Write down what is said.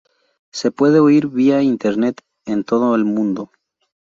Se puede oír vía Internet en todo el mundo.